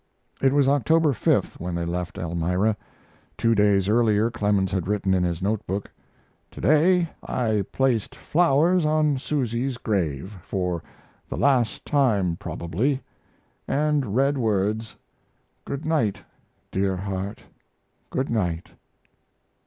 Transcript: It was October 5th when they left Elmira. Two days earlier Clemens had written in his note book: Today I placed flowers on Susy's grave for the last time probably & read words: "Good night, dear heart, good night."